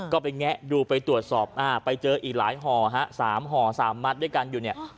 ก็ไปแงะดูไปตรวจสอบอ่าไปเจออีกหลายห่อฮะ๓ห่อสามมัดด้วยกันอยู่เนี่ย